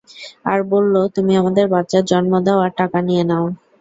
আর বললো, তুমি আমাদের বাচ্চার জন্ম দাও আর টাকা নিয়ে নাও।